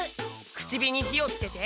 口火に火をつけて。